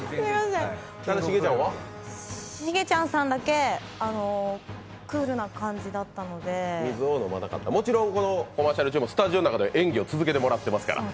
シゲちゃんさんだけクールな感じだったのでもちろんコマーシャル中もスタジオの中では演技を続けてもらってますから。